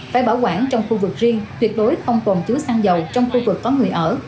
phải bảo quản trong khu vực riêng tuyệt đối không tồn chứa xăng dầu trong khu vực có người ở